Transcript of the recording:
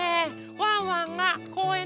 ワンワンがこうえんで